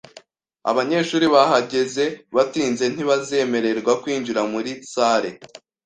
Abanyeshuri bahageze batinze ntibazemererwa kwinjira muri salle